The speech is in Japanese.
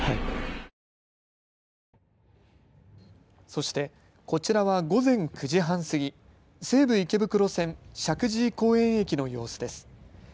そしてこちらは午前９時半過ぎ、西武池袋線、石神井公園駅の様子です。